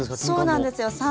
そうなんですよ。